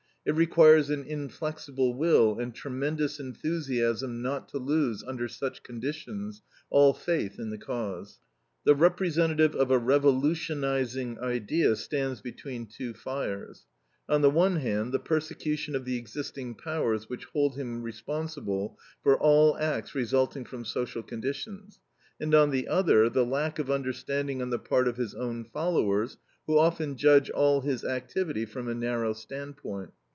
It requires an inflexible will and tremendous enthusiasm not to lose, under such conditions, all faith in the Cause. The representative of a revolutionizing idea stands between two fires: on the one hand, the persecution of the existing powers which hold him responsible for all acts resulting from social conditions; and, on the other, the lack of understanding on the part of his own followers who often judge all his activity from a narrow standpoint.